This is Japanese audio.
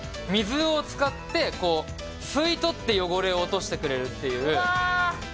水を使って、吸い取って汚れを落としてくれるっていう。